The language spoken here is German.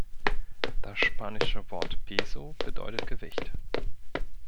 Das spanische Wort "peso" bedeutet „Gewicht“.